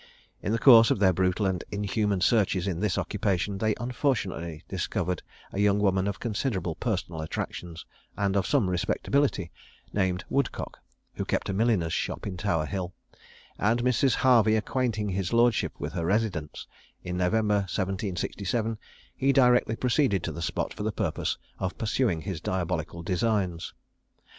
In the course of their brutal and inhuman searches in this occupation, they unfortunately discovered a young woman of considerable personal attractions, and of some respectability, named Woodcock, who kept a milliner's shop on Tower hill; and Mrs. Harvey acquainting his lordship with her residence, in November 1767, he directly proceeded to the spot for the purpose of pursuing his diabolical designs.